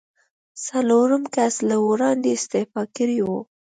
څلورم کس له وړاندې استعفا کړې وه.